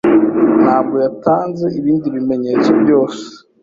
ntabwo yatanze ibindi bimenyetso byose